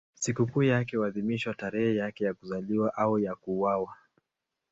Sikukuu yake huadhimishwa tarehe yake ya kuzaliwa au ya kuuawa.